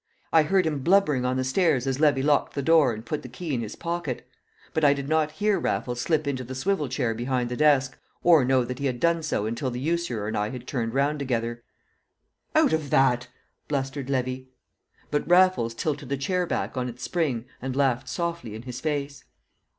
I heard him blubbering on the stairs as Levy locked the door and put the key in his pocket. But I did not hear Raffles slip into the swivel chair behind the desk, or know that he had done so until the usurer and I turned round together. "Out of that!" blustered Levy. But Raffles tilted the chair back on its spring and laughed softly in his face.